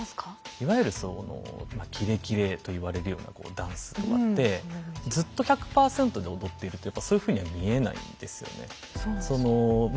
いわゆるそのまあキレキレと言われるようなダンスとかってずっと１００％で踊っているとやっぱそういうふうには見えないんですよね。